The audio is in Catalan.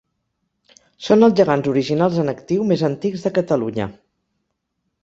Són els gegants originals en actiu més antics de Catalunya.